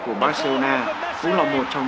của barcelona cũng là một trong